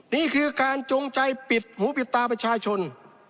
นี่คือการจงใจปิดหูปิดตาประชาชน